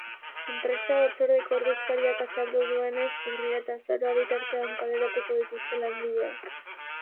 Enpresa batzordeko ordezkariak azaldu duenez, urria eta azaroa bitartean kaleratuko dituzte langileak.